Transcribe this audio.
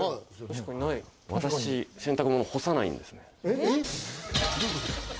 私、洗濯物を干さないんです。